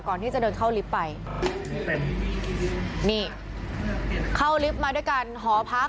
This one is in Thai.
ก่อนที่จะเดินเข้าลิฟต์ไปนี่เข้าลิฟต์มาด้วยกันหอพัก